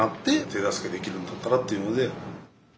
手助けできるんだったらというので。